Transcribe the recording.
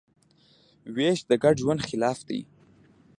وېش د ګډ ژوند خلاف دی.